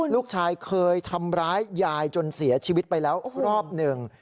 ลูกชายเคยทำร้ายยายจนเสียชีวิตไปแล้วรอบหนึ่ง